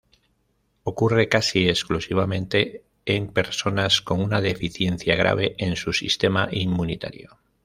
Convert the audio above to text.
Ocurre casi exclusivamente en personas con una deficiencia grave en su sistema inmunitario.